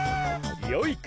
よいか！